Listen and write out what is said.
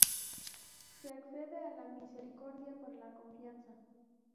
Se accede a la misericordia por la confianza.